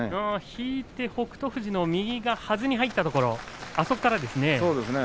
引いて北勝富士の左が、はずに入ったところですね。